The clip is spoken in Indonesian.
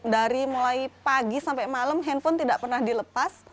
dari mulai pagi sampai malam handphone tidak pernah dilepas